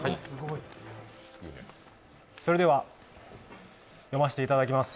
それでは読ませていただきます。